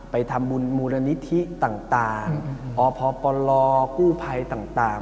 ไปทำบุญมูลนิธิต่างอพปลกู้ภัยต่าง